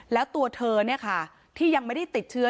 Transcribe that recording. แล้วตัวเธอเนี่ยค่ะที่ยังไม่ได้ติดเชื้อ